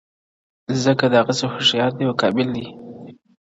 ځکه دغسي هوښیار دی او قابِل دی.